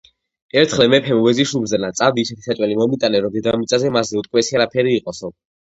ერთხელ მეფემ ვეზირს უბრძანა: წადი, ისეთი საჭმელი მომიტანე, რომ დედამიწაზე მასზე უტკბესი არაფერი იყოსო